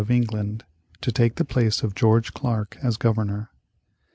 of England to take the place of George Clarke as Governor.